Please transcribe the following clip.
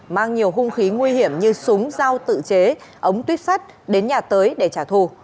mang nhiều hung khí nguy hiểm như súng dao tự chế ống tuyếp sắt đến nhà tới để trả thù